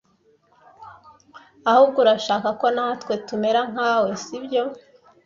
Ahubwo urashaka ko natwe tumera nka we sibyo